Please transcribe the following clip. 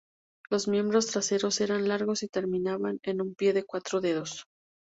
Los miembros traseros eran largos y terminaban en un pie de cuatro dedos.